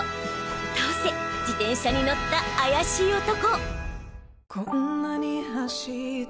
倒せ自転車に乗った怪しい男！